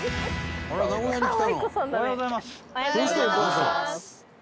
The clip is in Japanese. おはようございます。